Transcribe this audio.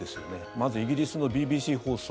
まず、イギリスのＢＢＣ放送。